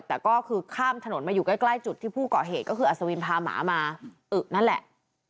แต่ก็คือข้ามถนนมาอยู่ใกล้จุดที่ผู้ก่อเหตุก็คืออัศวินพาหมามาอึนั่นแหละ